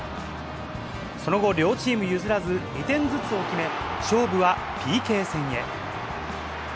その後、両チーム譲らず、２点ずつを決め、勝負はＰＫ戦へ。